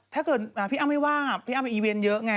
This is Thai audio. ถ้าเกิดพี่อ้ำไม่ว่างพี่อ้ำไปอีเวนต์เยอะไง